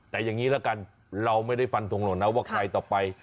แต่อย่างนี้ละกันเราไม่ได้ฟันทงหล่นนะว่าใครต่อไป